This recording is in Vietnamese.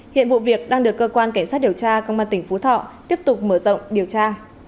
hiện vụ việc đang được cơ quan cảnh sát điều tra công an tỉnh phú thọ tiếp tục mở rộng điều tra